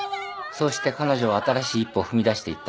そうして彼女は新しい一歩を踏み出していった。